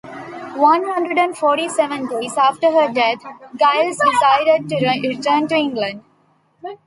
One hundred and forty-seven days after her death, Giles decides to return to England.